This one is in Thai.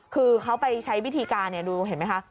คือเขาไปใช้วิธีการดูเห็นไหมคะ